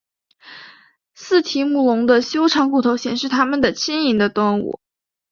似提姆龙的修长骨头显示它们的轻盈的动物。